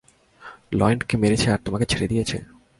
লয়েন্ডকে মেরেছে আর তোমাকে ছেড়ে দিয়েছে?